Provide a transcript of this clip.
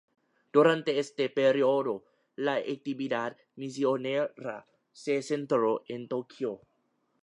Durante este período, la actividad misionera se centró en Tokio.